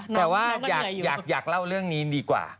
แต่ว่าอยากเล่าเรื่องนี้ดีกว่า